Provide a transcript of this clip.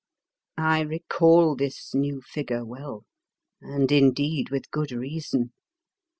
I recall this new figure well, and, in deed, with good reason.